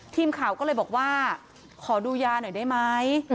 ทีมข่าวก็เลยบอกว่าขอดูยาหน่อยได้ไหม